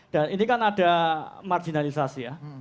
dan ini kan ada marginalisasi